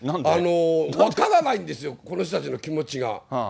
分からないんですよ、この人たちの気持ちが。